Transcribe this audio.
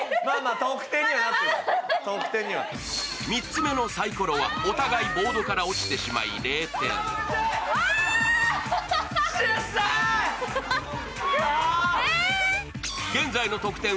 ３つ目のさいころはお互いボードから落ちてしまい０点。